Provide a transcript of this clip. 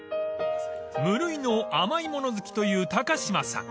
［無類の甘いもの好きという高島さん］